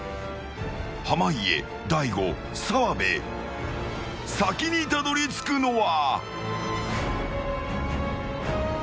濱家、大悟、澤部先にたどり着くのは。